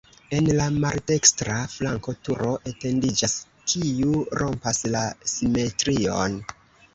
En la maldekstra flanko turo etendiĝas, kiu rompas la simetrion.